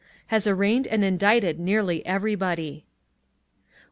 has arraigned and indicted nearly everybody.